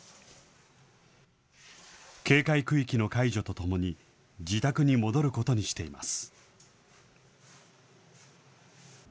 警戒区域の解除とともに、自宅に戻ることにしています。